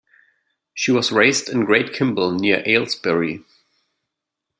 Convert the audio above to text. She was raised in Great Kimble near Aylesbury.